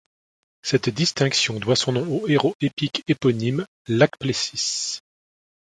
Cette distinction doit son nom au héros épique éponyme Lāčplēsis.